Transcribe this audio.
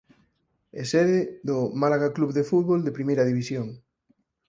É sede do Málaga Club de Fútbol de Primeira División.